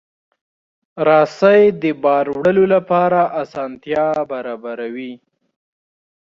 رسۍ د بار وړلو لپاره اسانتیا برابروي.